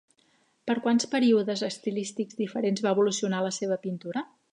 Per quants períodes estilístics diferents va evolucionar la seva pintura?